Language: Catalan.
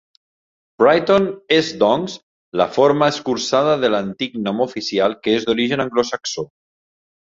Brighton és doncs, la forma escurçada de l'antic nom oficial, que és d'origen anglosaxó.